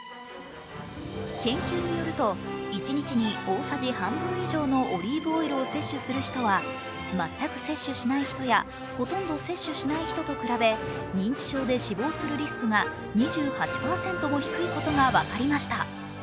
研究によると、一日に大さじ半分以上のオリーブオイルを摂取する人は全く摂取しない人や、ほとんど摂取しない人と比べ認知症で死亡するリスクが２８％も低いことが分かりました。